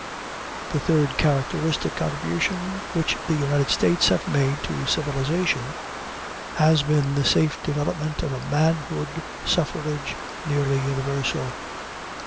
The third characteristic contribution which the United States have made to civilization has been the safe development of a manhood suffrage nearly universal.